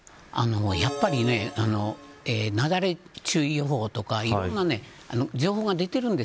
やっぱり雪崩注意報とかいろんな情報が出ています。